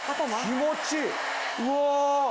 気持ちいい！